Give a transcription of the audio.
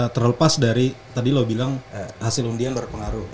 terlepas dari tadi lo bilang hasil undian berpengaruh